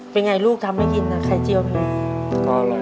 เป็นไงลูกทำไม่กินนะไข่เจียวเป็นไง